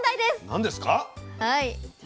何ですか？